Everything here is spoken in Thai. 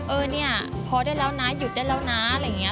เออเนี่ยพอได้แล้วนะหยุดได้แล้วนะอะไรอย่างนี้